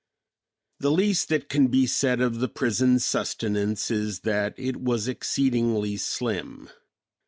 The least that can be said of the prison sustenance is that it was exceedingly slim.